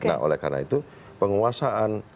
nah oleh karena itu penguasaan